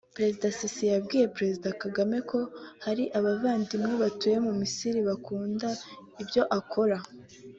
Perezida Sisi yabwiye Perezida Kagame ko hari abavandimwe batuye muri Misiri bakunda ibyo akora